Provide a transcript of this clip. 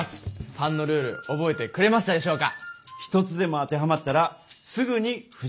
３のルール覚えてくれましたでしょうか？